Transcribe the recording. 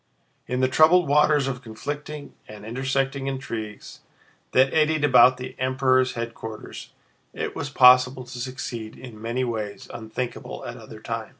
In the troubled waters of conflicting and intersecting intrigues that eddied about the Emperor's headquarters, it was possible to succeed in many ways unthinkable at other times.